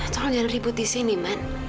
tolong jangan ribut disini aman